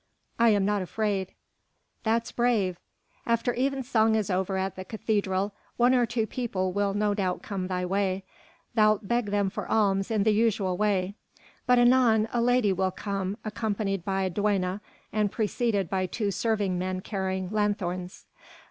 "I am not afraid." "That's brave! After evensong is over at the cathedral, one or two people will no doubt come thy way. Thou'lt beg them for alms in the usual way. But anon a lady will come accompanied by a duenna and preceded by two serving men carrying lanthorns.